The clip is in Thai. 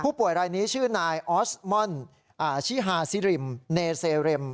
ผู้ป่วยรายนี้ชื่อนายออสมอนชิฮาซิริมเนเซเรม